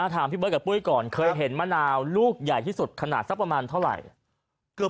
พี่เบิร์ดกับปุ้ยก่อนเคยเห็นมะนาวลูกใหญ่ที่สุดขนาดสักประมาณเท่าไหร่